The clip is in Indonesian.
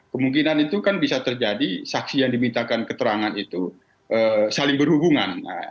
kemungkinan itu kan bisa terjadi saksi yang dimintakan keterangan itu saling berhubungan